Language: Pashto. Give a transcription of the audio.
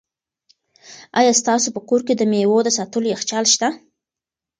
آیا ستاسو په کور کې د مېوو د ساتلو یخچال شته؟